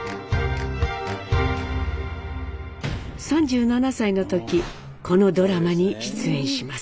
３７歳の時このドラマに出演します。